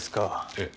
ええ。